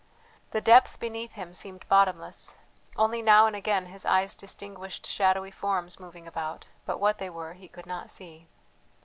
The depth beneath him seemed bottomless; only now and again his eyes distinguished shadowy forms moving about, but what they were he could not see.